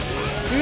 え？